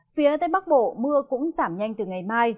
phía tây bắc bộ mưa cũng giảm nhanh từ ngày mai